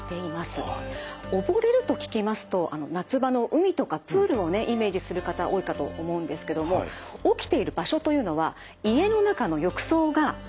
溺れると聞きますと夏場の海とかプールをねイメージする方多いかと思うんですけども起きている場所というのは家の中の浴槽がほとんどなんです。